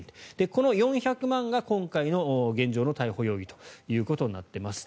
この４００万円が今回の現状の逮捕容疑となっています。